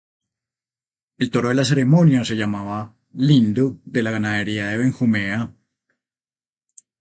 El toro de la ceremonia se llamaba: "Lindo" de la ganadería de Benjumea.